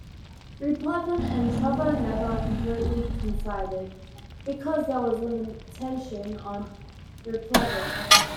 Replevin and trover never completely coincided, because there was a limitation on replevin.